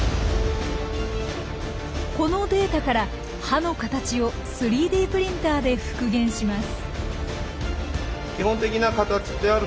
このデータから歯の形を３Ｄプリンターで復元します。